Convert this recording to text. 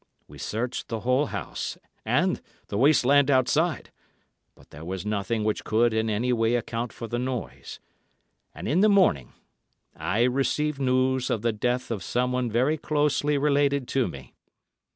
We searched the whole house and the waste land outside, but there was nothing which could in any way account for the noise, and in the morning I received news of the death of someone very closely related to me....